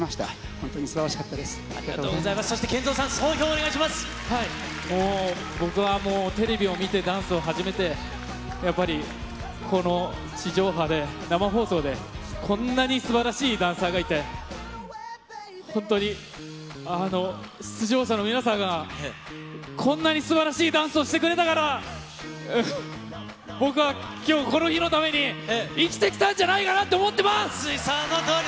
本当にすばらしかったでそしてＫＥＮＺＯさん、もう僕はもう、テレビを見て、ダンスを始めて、やっぱりこの地上波で、生放送で、こんなにすばらしいダンサーがいて、本当に出場者の皆さんがこんなにすばらしいダンスをしてくれたから、僕はきょうこの日のために生きてきたんじゃないかなって思ってまそのとおり。